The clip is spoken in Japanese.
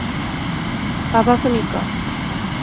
馬場ふみか